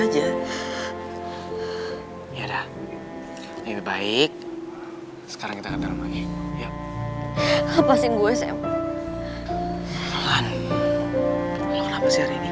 aja ya udah lebih baik sekarang kita ke dalam lagi ya lepasin gue sem